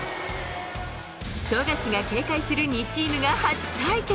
富樫が警戒する２チームが初対決！